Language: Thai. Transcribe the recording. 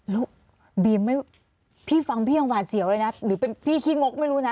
แล้วบีมไม่พี่ฟังพี่ยังหวาดเสียวเลยนะหรือเป็นพี่ขี้งกไม่รู้นะ